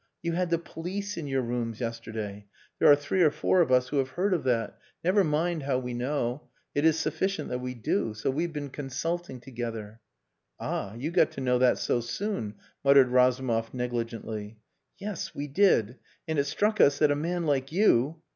"You had the police in your rooms yesterday. There are three or four of us who have heard of that. Never mind how we know. It is sufficient that we do. So we have been consulting together." "Ah! You got to know that so soon," muttered Razumov negligently. "Yes. We did. And it struck us that a man like you..."